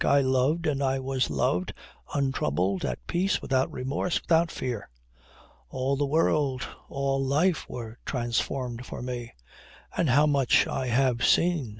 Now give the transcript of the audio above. I loved and I was loved, untroubled, at peace, without remorse, without fear. All the world, all life were transformed for me. And how much I have seen!